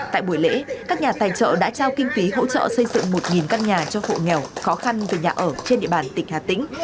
tại buổi lễ các nhà tài trợ đã trao kinh phí hỗ trợ xây dựng một căn nhà cho hộ nghèo khó khăn về nhà ở trên địa bàn tỉnh hà tĩnh